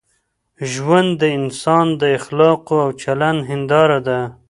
ژوند د انسان د اخلاقو او چلند هنداره ده.